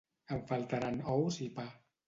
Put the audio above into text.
Em faltaran ous i pa